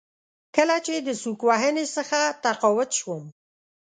کله چې د سوک وهنې څخه تقاعد شوم.